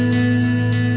oke sampai jumpa